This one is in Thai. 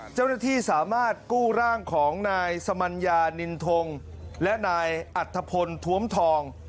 เจ้าหน้าที่สามารถกู้ร่างของนายสมัญญานินทงและนายอัธพลท้วมทอง